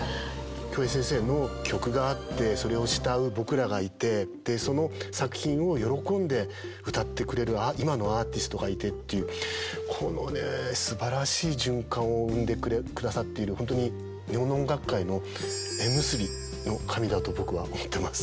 京平先生の曲があってそれを慕う僕らがいてでその作品を喜んで歌ってくれる今のアーティストがいてっていうこのねすばらしい循環を生んでくださっている本当に日本の音楽界の縁結びの神だと僕は思ってます。